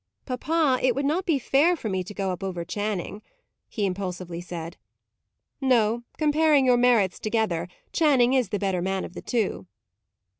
"Papa, it would not be fair for me to go up over Channing," he impulsively said. "No. Comparing your merits together, Channing is the better man of the two."